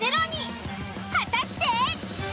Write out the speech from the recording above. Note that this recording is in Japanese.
果たして！？